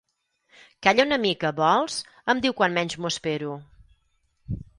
Calla una mica, vols? —em diu quan menys m'ho espero.